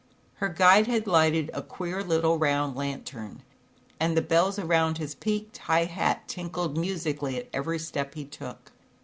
Her guide had lighted a queer little round lantern, and the bells around his peaked high hat tinkled musically at every step he took.